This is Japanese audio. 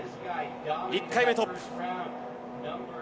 １回目、トップ。